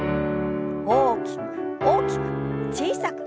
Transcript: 大きく大きく小さく。